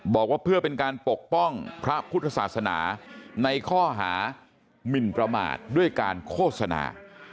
บอกว่าเพื่อเป็นการปกป้องพระพุทธศาสนาในข้อหามินประมาทด้วยการโฆษณา